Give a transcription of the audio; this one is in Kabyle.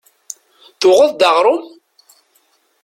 Tuɣeḍ-d aɣrum?